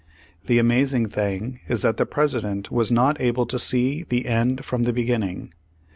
The amazing thing is that the President was not able to see the end from the beginning.